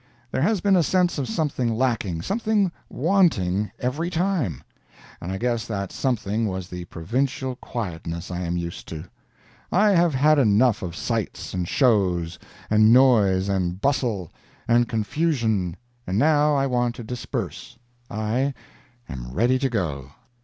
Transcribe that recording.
There has been a sense of something lacking, something wanting, every time—and I guess that something was the provincial quietness I am used to. I have had enough of sights and shows, and noise and bustle, and confusion, and now I want to disperse. I am ready to go.